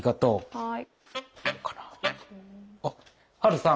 はい。